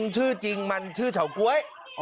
ชื่อจริงมันชื่อเฉาก๊วย